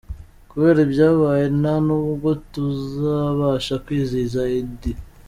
Kubera ibyabaye nta nubwo tuzabasha kwizihiza Eid.